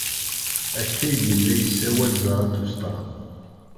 Akka ay yella yessawal Zaratustra.